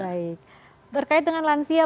baik terkait dengan lansia